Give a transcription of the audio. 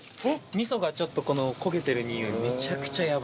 みそがちょっと焦げてるにおいめちゃくちゃやばい！